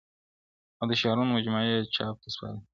او د شعرونو مجموعې یې چاپ ته سپارلې -